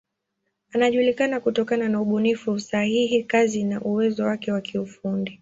Anajulikana kutokana na ubunifu, usahihi, kasi na uwezo wake wa kiufundi.